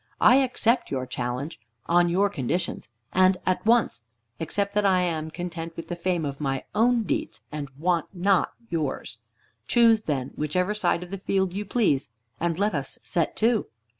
I accept your challenge, on your conditions, and at once, except that I am content with the fame of my own deeds, and want not yours. Choose then whichever side of the field you please, and let us set to."